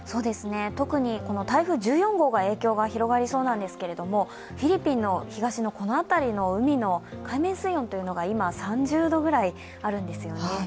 特に台風１４号が影響が広がりそうなんですがフィリピンの東の、この辺りの海の海面水温というのが今、３０度ぐらいあるんですよね。